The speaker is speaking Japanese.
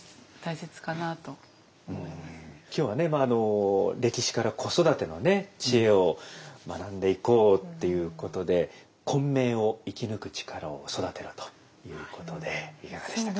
まああの歴史から子育てのね知恵を学んでいこうっていうことで混迷を生き抜く力を育てろということでいかがでしたか？